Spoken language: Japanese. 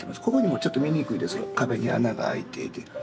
ここにもちょっと見にくいですけど壁に穴が開いていて。